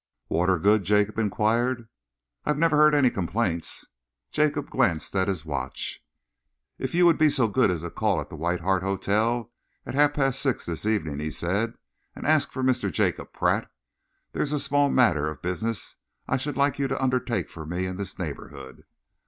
"Water good?" Jacob enquired. "I've never heard any complaints." Jacob glanced at his watch. "If you would be so good as to call at the White Hart Hotel at half past six this evening," he said, "and ask for Mr. Jacob Pratt, there is a small matter of business I should like you to undertake for me in this neighbourhood."